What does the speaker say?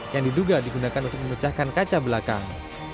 yang diduga digunakan untuk memecahkan kaca belakang